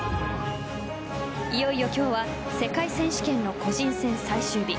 いよいよ今日は世界選手権の個人戦最終日。